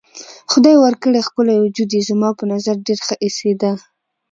خدای ورکړی ښکلی وجود یې زما په نظر ډېر ښه ایسېده.